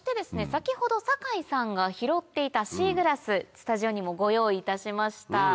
先ほど酒井さんが拾っていたシーグラススタジオにもご用意いたしました。